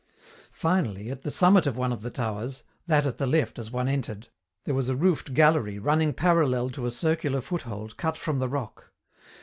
Finally, at the summit of one of the towers, that at the left as one entered, there was a roofed gallery running parallel to a circular foothold cut from the rock.